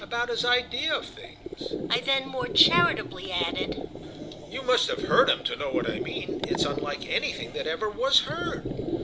"About his ideas of things," I then more charitably added. "You must have heard him to know what I mean—it's unlike anything that ever was heard."